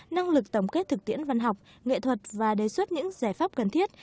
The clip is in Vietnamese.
năng lực tổng kết thực tiễn văn học nghệ thuật và đề xuất những giải pháp cần thiết